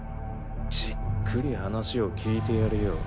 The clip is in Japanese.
じっくり話を聞いてやるよ。